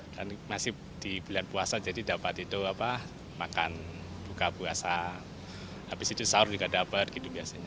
dan masih di bulan puasa jadi dapat itu makan buka puasa habis itu sahur juga dapat gitu biasanya